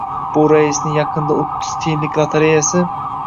Bu raisning yaqinda o‘ttiz tiyinlik lotereyasi.